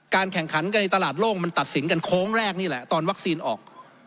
แข่งขันกันในตลาดโลกมันตัดสินกันโค้งแรกนี่แหละตอนวัคซีนออก